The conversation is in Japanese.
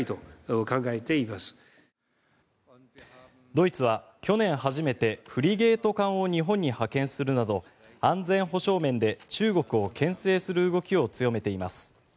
ドイツは去年初めてフリゲート艦を日本に派遣するなど安全保障面で中国をけん制する動きを強めています。